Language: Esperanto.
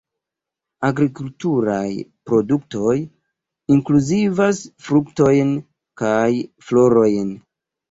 Agrikulturaj produktoj inkluzivas fruktojn kaj florojn.